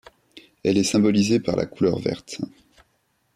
Elle est symbolisée par la couleur verte.